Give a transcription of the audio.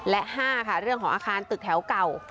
และ๕ค่ะเรื่องของอาคารตึกแถวเก่า